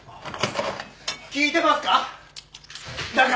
聞いてますか？